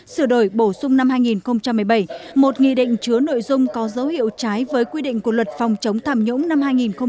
sửa đổi bổ sung năm hai nghìn một mươi bảy một nghị định chứa nội dung có dấu hiệu trái với quy định của luật phòng chống tham nhũng năm hai nghìn một mươi bảy